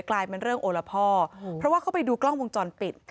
กลายเป็นเรื่องโอละพ่อเพราะว่าเขาไปดูกล้องวงจรปิด